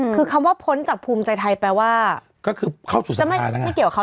คือคำว่าพ้นหากภูมิใจไทย